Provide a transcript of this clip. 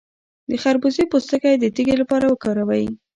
د خربوزې پوستکی د تیږې لپاره وکاروئ